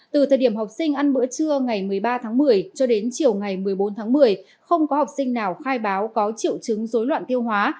từ thời điểm học sinh ăn bữa trưa ngày một mươi ba tháng một mươi cho đến chiều ngày một mươi bốn tháng một mươi không có học sinh nào khai báo có triệu chứng dối loạn tiêu hóa